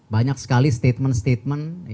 banyak sekali statement statement